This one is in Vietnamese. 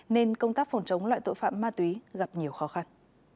nên công tác phòng chống loại tội phạm ma túy gặp nhiều khó khăn